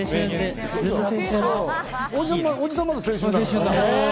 おじさん、まだ青春だから。